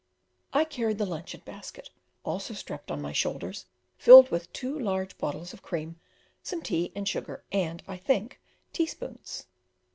I carried the luncheon basket, also strapped on my shoulders, filled with two large bottles of cream, some tea and sugar, and, I think, teaspoons.